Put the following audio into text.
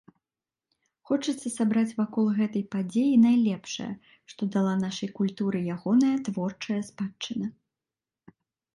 Хочацца сабраць вакол гэтай падзеі найлепшае, што дала нашай культуры ягоная творчая спадчына.